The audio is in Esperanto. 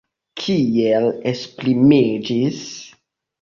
Kiel esprimiĝis?